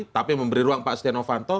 tapi memberi ruang pak setia novanto